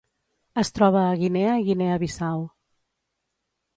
Es troba a Guinea i Guinea Bissau.